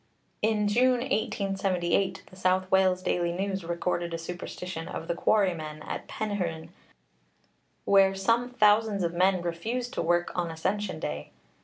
In June, 1878, the South Wales Daily News recorded a superstition of the quarrymen at Penrhyn, where some thousands of men refused to work on Ascension Day.